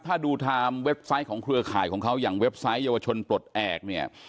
ถ้าดูไทม์เว็บไซต์ของเครือข่ายของเขาอย่างเว็บไซต์เยาวชนปลดแอบเนี่ย